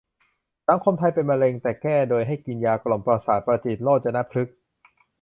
สังคมไทยเป็นมะเร็งแต่แก้โดยให้กินยากล่อมประสาท ประวิตร โรจรพฤกษ์